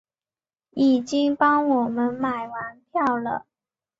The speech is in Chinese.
已经帮我们买完票了